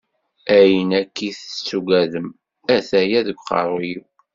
Ayen akkit tettugadem, ataya deg aqerru-iw.